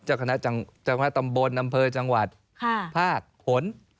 เจ้าคณะตำบรนด์ดำเภอจังหวัดภาคน